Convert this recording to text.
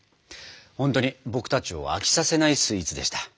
ほんとに僕たちを飽きさせないスイーツでした。